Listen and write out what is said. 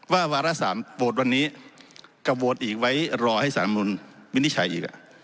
ว่าวาระ๓โหวดวันนี้ก็โหวดอีกไว้รอให้สามารถมนุษย์วินิชัยอีก